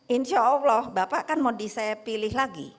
insya allah bapak kan mau saya pilih lagi